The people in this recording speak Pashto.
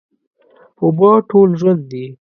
اوبه ټول ژوند دي.